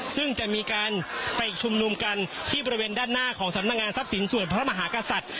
ซึ่งจะมีการไปชุมนุมกันที่บริเวณด้านหน้าของสำนักงานทรัพย์สินส่วนพระมหากษัตริย์